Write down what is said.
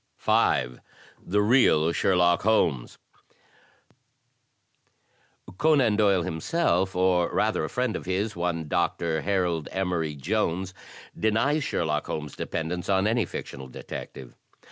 >> 5. The Real Sherlock Holmes Conan Doyle himself, or rather a friend of his, one Doctor Harold Emery Jones, denies Sherlock Holmes' dependence APPLIED PRINCIPLES IO9 on any fictional detective.